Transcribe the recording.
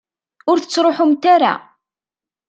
Ur tettruḥumt ara?